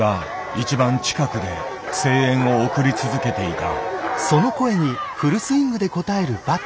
一番近くで声援を送り続けていた。